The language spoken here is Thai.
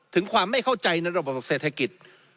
ถึงความไม่เข้าใจในระบบเศรษฐกิจ